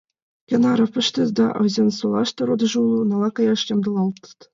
Кӧн Арыпыште да Озянсолаште родыжо уло — унала каяш ямдылалтыт.